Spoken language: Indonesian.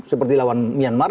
seperti lawan myanmar